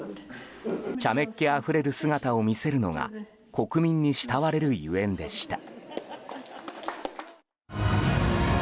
ちゃめっ気あふれる姿を見せるのが国民に慕われるゆえんでした。